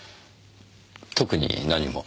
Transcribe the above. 特に何も。